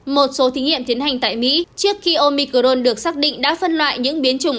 một số thí nghiệm tiến hành tại mỹ trước khi omicron được xác định đã phân loại những biến chủng